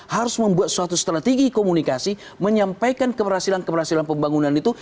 harus membuat suatu strategi komunikasi menyampaikan keberhasilan keberhasilan pembangunan itu